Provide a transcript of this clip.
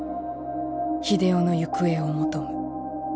秀雄の行方を求む。